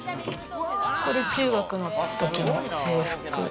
これ、中学の時の制服。